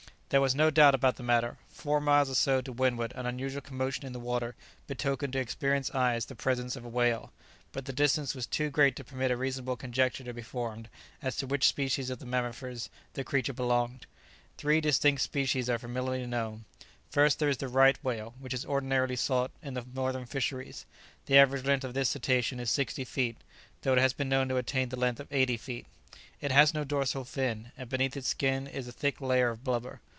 There was no doubt about the matter. Four miles or so to windward an unusual commotion in the water betokened to experienced eyes the presence of a whale; but the distance was too great to permit a reasonable conjecture to be formed as to which species of those mammifers the creature belonged. Three distinct species are familiarly known. First there is the Right whale, which is ordinarily sought for in the northern fisheries. The average length of this cetacean is sixty feet, though it has been known to attain the length of eighty feet. It has no dorsal fin, and beneath its skin is a thick layer of blubber.